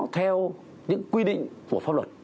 theo những quy định của pháp luật